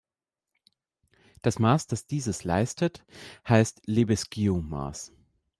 Das Maß, das dieses leistet, heißt Lebesgue-Maß.